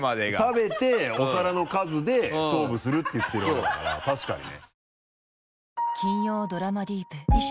食べてお皿の数で勝負するって言ってるわけだから確かにね。